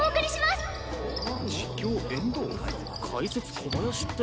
解説小林って。